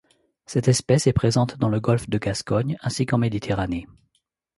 Cette espèce est présente dans le golfe de Gascogne ainsi qu'en Méditerranée.